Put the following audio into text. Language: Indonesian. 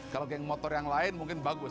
kalau geng motor yang lain mungkin bagus